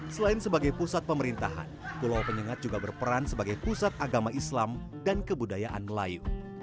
selain sebagai pusat pemerintahan pulau penyengat juga berperan sebagai pusat agama islam dan kebudayaan melayu